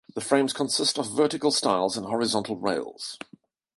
The frames consist of vertical stiles and horizontal rails.